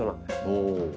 おお。